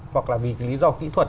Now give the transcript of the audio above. hoặc là vì cái lý do kỹ thuật